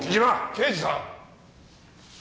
刑事さん！